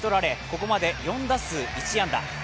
ここまで４打数１安打。